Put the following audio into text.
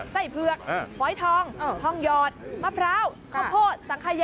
ไส้เผือกหอยทองทองหยอดมะพร้าวข้าวโพดสังขยา